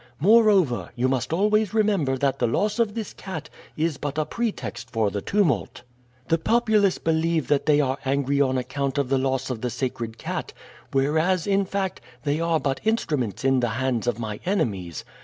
Moreover, you must always remember that the loss of this cat is but a pretext for the tumult. "The populace believe that they are angry on account of the loss of the sacred cat, whereas, in fact, they are but instruments in the hands of my enemies.